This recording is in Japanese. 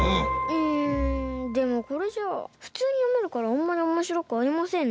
うんでもこれじゃあふつうによめるからあんまりおもしろくありませんね。